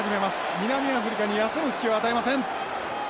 南アフリカに休む隙を与えません。